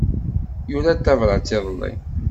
Yura-d tabṛat iḍelli.